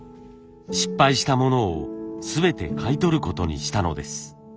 失敗したものを全て買い取ることにしたのです。